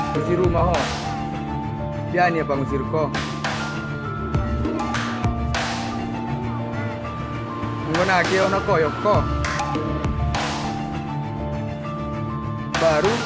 posisi rumah ho seperti ini ia pengusir kok untuk naku yo radu